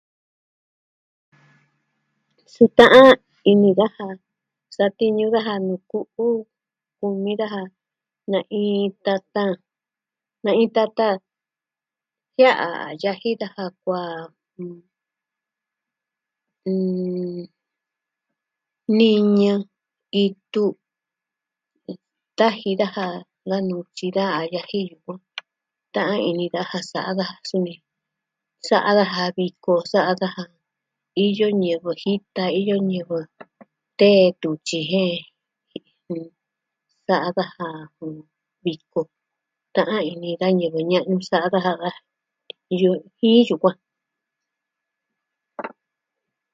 Suu ta'an ini daja. Satiñu daja nuu ku'u, kumi daja na'in tata, na'in tata jia'a a yaji daja kuaan. N... niñɨ, itu, taji daja da nutyi da a yaji yukuan. Ta'an ini daja sa'a daja sumi. Sa'a daja viko, koo sa'a daja. Iyo ñivɨ jita, iyo ñivɨ. Tee tun tyi jen. Sa'a daja Ta'an ini da ñivɨ ña'nu sa'a daja da. Iyo jin yukuan.